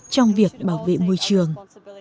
trong việc bảo vệ môi trường